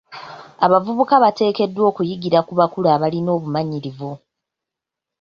Abavubuka bateekeddwa okuyigira ku bakulu abalina obumanyirivu .